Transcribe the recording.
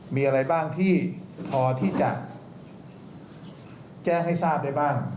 มีอะไรบ้างที่พอที่จะแจ้งให้ทราบได้บ้าง